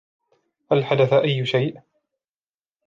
هل حدث أي شيء ؟